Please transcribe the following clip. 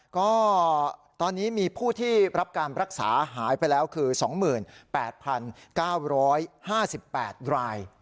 ก็ตอนนี้มีผู้ที่รับการรักษาหายไปแล้วคือ๒๘๙๕๘ราย